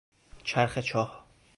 چرخ چاه